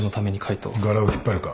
ガラを引っ張るか？